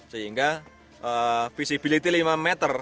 sehingga visibility lima meter